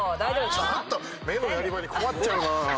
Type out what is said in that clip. ちょっと目のやり場に困っちゃうな